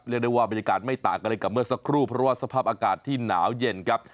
ได้ว่าบรรยากาศไม่ต่างกันเลยกับเมื่อสักครู่เพราะว่าสภาพอากาศที่หนาวเย็นครับ